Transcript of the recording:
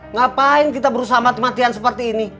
ngapain kita berusaha mati matian seperti ini